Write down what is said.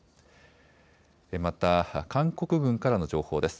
また韓国軍からの情報です。